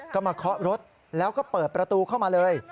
ก็มาเคาะรถแล้วก็เปิดประตูเข้ามาเลย